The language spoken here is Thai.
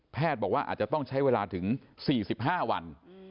บอกว่าอาจจะต้องใช้เวลาถึง๔๕วัน